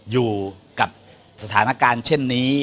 อยู่กับสถานการณ์เช่นนี้